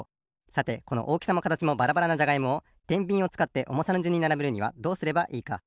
さてこのおおきさもかたちもばらばらなじゃがいもをてんびんをつかっておもさのじゅんにならべるにはどうすればいいか？